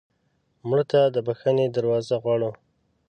مړه ته د بښنې دروازه غواړو